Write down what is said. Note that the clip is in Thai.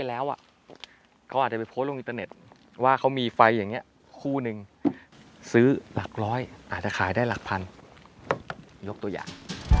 อันเน็ตว่าเขามีไฟอย่างเงี้ยคู่หนึ่งซื้อหลักร้อยอาจจะขายได้หลักพันยกตัวอย่าง